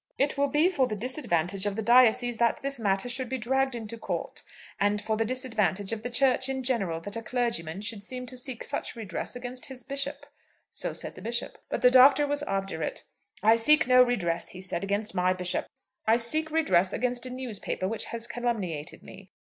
"It will be for the disadvantage of the diocese that this matter should be dragged into Court, and for the disadvantage of the Church in general that a clergyman should seem to seek such redress against his bishop." So said the Bishop. But the Doctor was obdurate. "I seek no redress," he said, "against my bishop. I seek redress against a newspaper which has calumniated me.